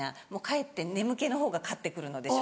かえって眠気のほうが勝って来るので。